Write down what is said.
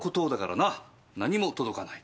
何も届かない。